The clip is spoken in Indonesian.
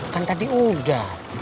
kan tadi udah